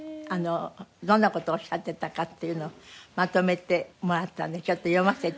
どんな事をおっしゃってたかっていうのをまとめてもらったのでちょっと読ませて頂きます。